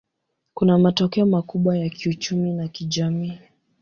Kuna matokeo makubwa ya kiuchumi na kijamii.